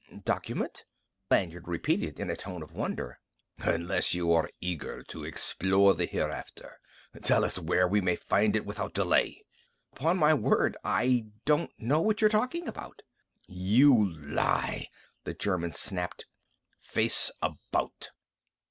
"Document?" Lanyard repeated in a tone of wonder. "Unless you are eager to explore the hereafter, tell us where we may find it without delay." "Upon my word, I don't know what you're talking about." "You lie!" the German snapped. "Face about!"